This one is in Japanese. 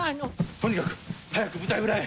とにかく早く舞台裏へ。